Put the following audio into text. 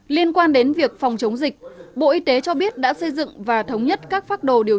liên quan đến việc phòng chống dịch bộ y tế cho biết đã xây dựng và thống nhất các phác đồ điều